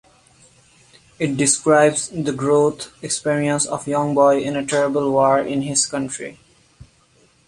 It describes the growth experience of young boy in a terrible war in his country.